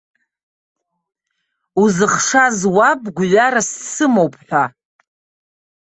Узыхшаз уаб гәҩарас дсымоуп ҳәа.